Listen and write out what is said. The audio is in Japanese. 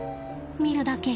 見るだけ。